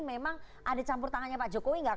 memang ada campur tangannya pak jokowi nggak